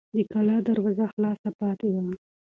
د کلا دروازه خلاصه پاتې وه.